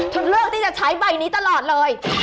เธอเลือกที่จะใช้ใบนี้ตลอดเลย